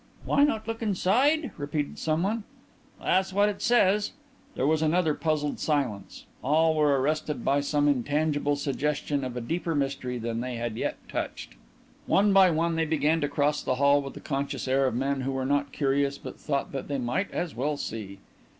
_'" "'Why not look inside?'" repeated someone. "That's what it says." There was another puzzled silence. All were arrested by some intangible suggestion of a deeper mystery than they had yet touched. One by one they began to cross the hall with the conscious air of men who were not curious but thought that they might as well see.